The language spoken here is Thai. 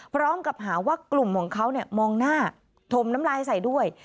พร้อมกับหาว่ากลุ่มของเขามองหน้าถมน้ำลายใส่ด้วย